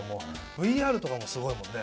ＶＲとかもすごいもんね。